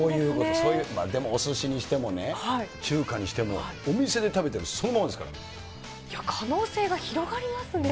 そういう、おすしにしても中華にしても、お店で食べてるそのままですから可能性が広がりますね。